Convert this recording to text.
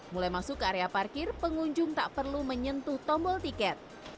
mulai masuk ke area parkir pengunjung tak perlu menyentuh tombol tiket